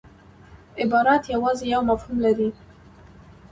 عبارت یوازي یو مفهوم لري.